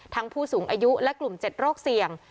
ทั้งผู้สูงอายุและกลุ่มเจ็ดโรคเสี่ยง